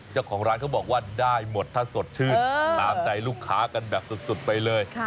เจ้าของร้านเขาบอกว่าได้หมดถ้าสดชื่นตามใจลูกค้ากันแบบสุดไปเลย